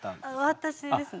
私ですね。